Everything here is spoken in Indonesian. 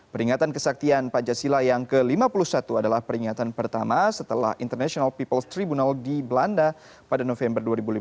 peringatan kesaktian pancasila yang ke lima puluh satu adalah peringatan pertama setelah international peoples tribunal di belanda pada november dua ribu lima belas